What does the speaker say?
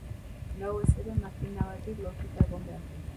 Gauez ere makina bati lotuta egon behar du.